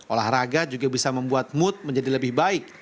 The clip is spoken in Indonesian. olahraga juga bisa membuat mood menjadi lebih baik